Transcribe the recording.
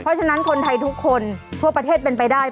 เพราะฉะนั้นคนไทยทุกคนทั่วประเทศเป็นไปได้